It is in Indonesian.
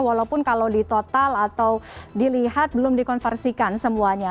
walaupun kalau ditotal atau dilihat belum dikonversikan semuanya